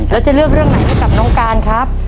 แล้วจะเลือกเรื่องไหนให้กับน้องการครับ